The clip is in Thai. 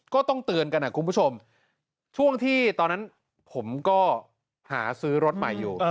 ก็ต้องเตือนกันนะคุณผู้ชมช่วงที่ตอนนั้นผมก็หาซื้อรถใหม่อยู่